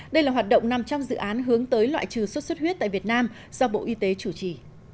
đây là hoạt động nằm trong dự án hướng tới loại trừ sốt xuất huyết tại việt nam do bộ y tế chủ trì